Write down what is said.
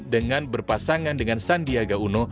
dengan berpasangan dengan sandiaga uno